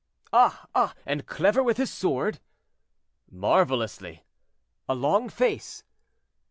"Ah! ah! and clever with his sword?" "Marvelously." "A long face?"